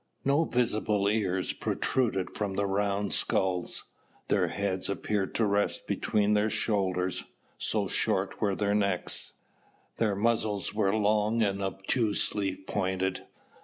No visible ears protruded from the round skulls. Their heads appeared to rest between their shoulders, so short were their necks. Their muzzles were long and obtusely pointed.